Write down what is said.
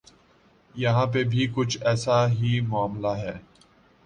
یہاں پہ بھی کچھ ایسا ہی معاملہ ہے۔